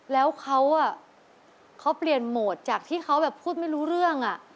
แล้วเขาเปลี่ยนโหมดจากที่เขาแบบพูดไม่รู้เรื่อง